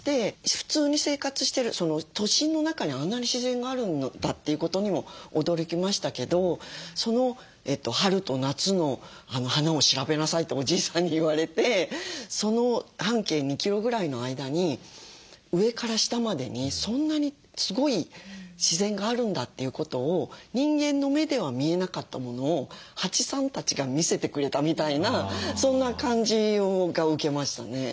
普通に生活してる都心の中にあんなに自然があるんだっていうことにも驚きましたけど春と夏の花を調べなさいっておじいさんに言われて半径２キロぐらいの間に上から下までにそんなにすごい自然があるんだということを人間の目では見えなかったものを蜂さんたちが見せてくれたみたいなそんな感じを受けましたね。